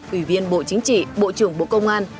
ủy viên bộ chính trị bộ trưởng bộ công an